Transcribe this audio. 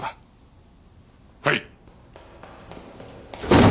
はい。